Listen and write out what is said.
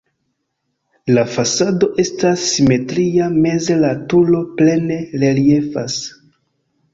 La fasado estas simetria, meze la turo plene reliefas.